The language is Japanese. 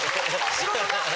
仕事が。